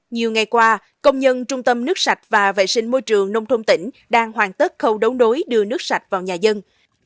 nhiều ngày qua công nhân trung tâm nước sạch và vệ sinh môi trường nông thôn tỉnh đang hoàn tất khâu đấu đối đưa nước sạch vào nhà dân